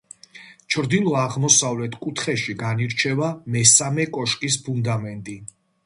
ჩრდილო-აღმოსავლეთ კუთხეში განირჩევა მესამე კოშკის ფუნდამენტი.